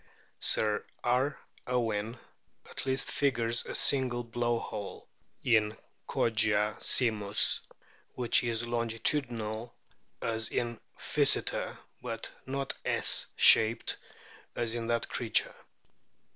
Sir R. Owen at least figures a single blow hole* in Kogia simus, which is longitudinal as in Physeter, but not S shaped as in that creature.